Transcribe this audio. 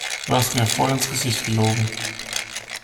Du hast mir voll ins Gesicht gelogen!